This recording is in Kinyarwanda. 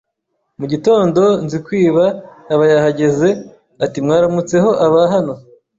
Mu gitondo Nzikwiba aba yahageze ati Mwaramutseho aba hano